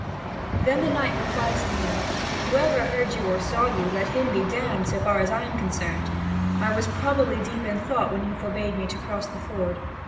Then the knight replies to him: "Whoever heard you or saw you, let him be damned, so far as I am concerned. I was probably deep in thought when you forbade me to cross the ford.